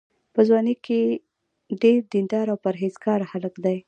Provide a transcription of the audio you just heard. په ځوانۍ کې ډېر دینداره او پرهېزګاره هلک دی.